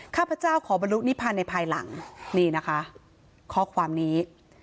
ข้าพเจ้าขอบรรลุนิพันธ์ในภายหลังนี่นะคะข้อความนี้